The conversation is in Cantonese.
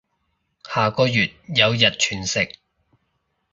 下個月有日全食